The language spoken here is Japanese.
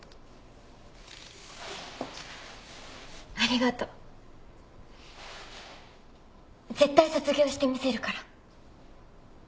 ありがとう。絶対卒業してみせるから。